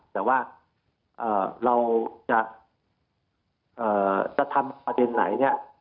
แต่ว่าเอ่อเราจะเอ่อจะทำประเด็นไหนเนี้ย